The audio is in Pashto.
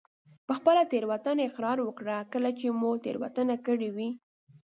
په خپله تېروتنه اقرار وکړه کله چې مو تېروتنه کړي وي.